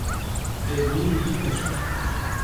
Cedu di'eş.